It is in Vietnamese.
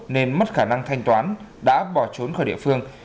nên mất khả năng thanh toán đã bỏ trốn khỏi địa phương